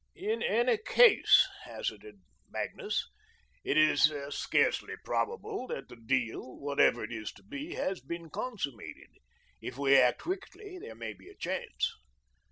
"In any case," hazarded Magnus, "it is scarcely probable that the deal whatever it is to be has been consummated. If we act quickly, there may be a chance."